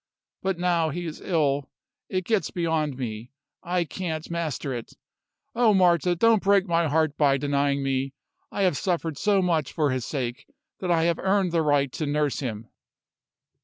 But now he is ill, it gets beyond me; I can't master it. Oh, Marta! don't break my heart by denying me! I have suffered so much for his sake, that I have earned the right to nurse him!"